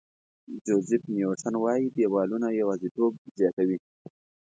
جوزیف نیوټن وایي دیوالونه یوازېتوب زیاتوي.